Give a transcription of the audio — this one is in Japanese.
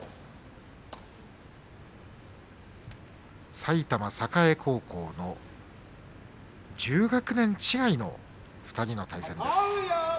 埼玉栄高校の１０学年違いの２人の対戦です。